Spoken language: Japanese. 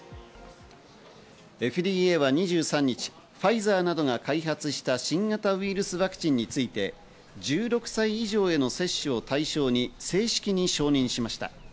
ＦＤＡは２３日、ファイザーなどが開発した新型ウイルスワクチンについて１６歳以上への接種を対象に正式に承認しました。